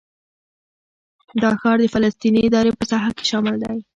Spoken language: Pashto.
دا ښار د فلسطیني ادارې په ساحه کې شامل دی.